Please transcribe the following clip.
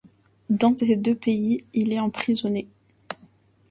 Dans ces deux pays, il est emprisonné.